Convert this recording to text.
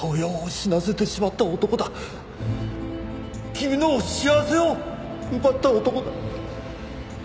君の幸せを奪った男だ。